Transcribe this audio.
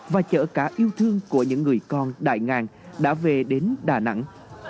và chở cả yêu thương của những người con đại ngàn đã về đến đà nẵng